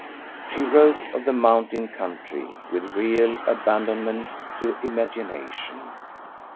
She wrote of the mountain country with real abandonment to imagination.